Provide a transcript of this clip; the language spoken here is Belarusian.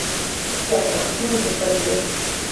Я памацнеў, як пад'еў.